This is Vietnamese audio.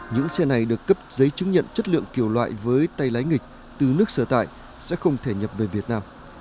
những xe này được cấp giấy chứng nhận chất lượng kiểu loại với tay lái nghịch từ nước sở tại sẽ không thể nhập về việt nam